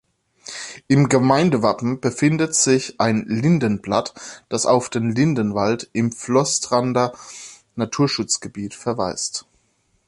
Im Gemeindewappen befindet sich ein Lindenblatt, das auf den Lindenwald im Flostranda-Naturschutzgebiet verweist.